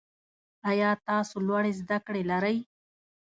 آیا تاسو لوړي زده کړي لرئ؟